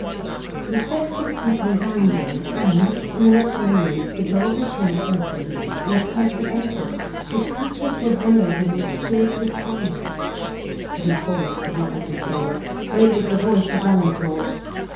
The steps were quick and bounding, and, in the next moment, the door of the chamber opened, and a person entered, whose features were veiled in the obscurity of twilight; but his voice could not be concealed, for it was the voice of Valancourt!